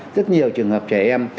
rất nhiều trường hợp trẻ em